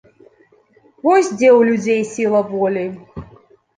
Вось дзе ў людзей сіла волі!